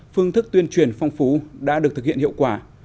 phương thức tuyên truyền phong phú đã được thực hiện hiệu quả